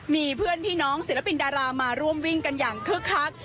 มีเพื่อนพี่น้องศิลปินดารามาร่วมวิ่งกันอย่างคึกคัก